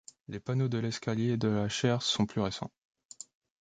Les panneaux de l'escalier de la chaire sont plus récents.